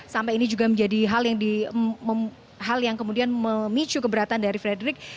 sampai ini juga menjadi hal yang kemudian memicu keberatan dari frederick